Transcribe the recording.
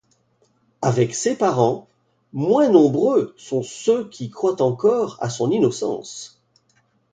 Avec ses parents, moins nombreux sont ceux qui croient encore à son innocence.